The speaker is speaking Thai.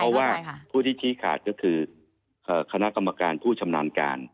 เพราะว่าผู้ที่ชี้ขาดก็คือคณะกรรมการผู้ชำนาญการ